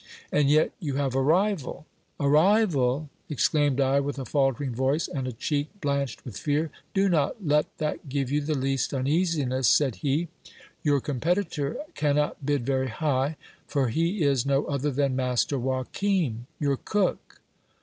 And yet you have a rival ! A rival ! exclaimed I, with a faltering voice, and a cheek blanched with fear. Do not let that give you the least uneasiness, said he ; your competitor cannot bid very high, for he is no other than master Joachim your cook.